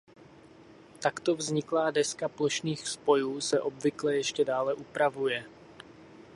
Takto vzniklá deska plošných spojů se obvykle ještě dále upravuje.